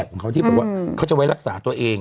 ขของเขาคืยแบบเขาจะรงค์ไว้รักษาตัวเองอ่ะ